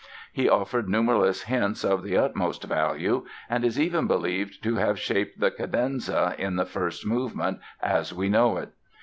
He offered numberless hints of the utmost value and is even believed to have shaped the cadenza in the first movement as we know it.